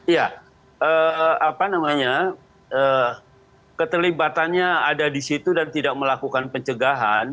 ya apa namanya keterlibatannya ada di situ dan tidak melakukan pencegahan